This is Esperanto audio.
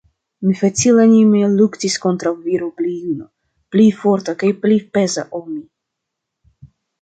Mi facilanime luktis kontraŭ viro pli juna, pli forta kaj pli peza ol mi.